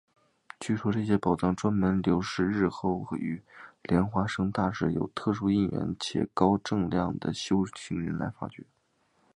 据说这些宝藏专门留待日后与莲花生大士有特殊因缘且高证量的修行人来发觉。